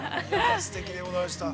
すてきでございました。